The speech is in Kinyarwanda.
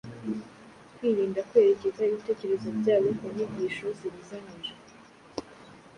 kwirinda kwerekeza ibitekerezo byabo ku nyigisho zibuzanijwe